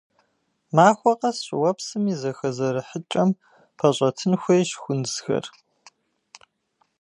Махуэ къэс щӏыуэпсым и зэхэзэрыхьыкӏэм пэщӏэтын хуейщ хунзхэр.